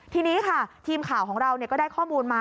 ทีนี้ค่ะทีมข่าวของเราก็ได้ข้อมูลมา